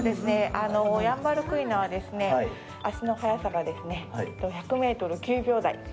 ヤンバルクイナは足の速さが１００ｍ９秒台。